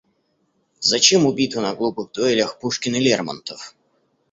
Зачем убиты на глупых дуэлях Пушкин и Лермонтов?